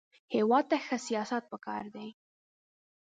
هېواد ته ښه سیاست پکار دی